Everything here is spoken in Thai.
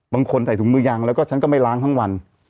บางคนใส่ถุงมือยางแล้วก็ฉันก็ไม่ล้างทั้งวัน